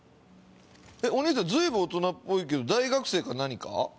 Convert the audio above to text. お兄さん随分大人っぽいけど大学生か何か？